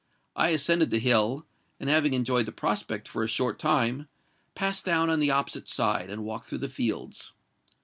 I ascended the hill, and, having enjoyed the prospect for a short time, passed down on the opposite side, and walked through the fields.